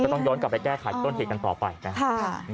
ต้องย้อนกลับไปแก้ไขต้นเหตุกันต่อไปนะครับ